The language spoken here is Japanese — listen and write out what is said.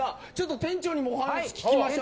店長にもお話を聞きましょう。